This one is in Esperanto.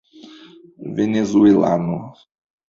venezuelano